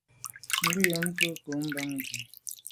Ngùnyàm kwé ngo’ bàn bu i,